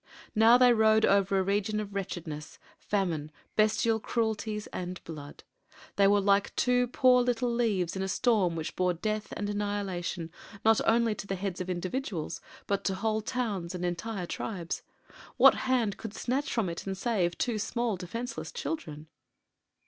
Now they rode over a region of wretchedness, famine, bestial cruelties, and blood. They were like two poor little leaves in a storm which bore death and annihilation not only to the heads of individuals, but to whole towns and entire tribes. What hand could snatch from it and save two small, defenseless children?